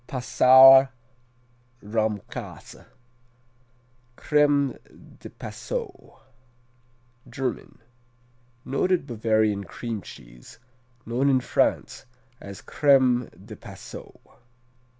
Passauer Rahmkäse, Crème de Passau German Noted Bavarian cream cheese, known in France as Crème de Passau.